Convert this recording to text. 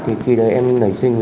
thì khi đấy em nảy sinh ý